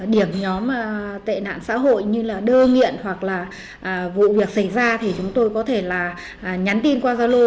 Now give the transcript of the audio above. điểm nhóm tệ nạn xã hội như là đơ nghiện hoặc là vụ việc xảy ra thì chúng tôi có thể là nhắn tin qua giao lô